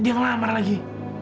dia ngelamar lagi